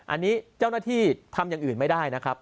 อันนี้เจ้าหน้าที่ทำอย่างอื่นไม่ได้นะครับ